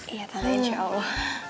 iya tantanya jauh